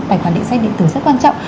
tài khoản điện tử rất quan trọng